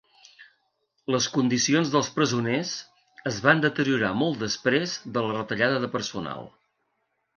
Les condicions dels presoners es van deteriorar molt després de la retallada de personal.